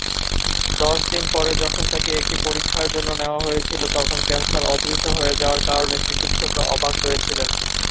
দশ দিন পরে, যখন তাকে একটি পরীক্ষার জন্য নেওয়া হয়েছিল, তখন ক্যান্সার অদৃশ্য হয়ে যাওয়ার কারণে চিকিৎসকরা অবাক হয়েছিলেন।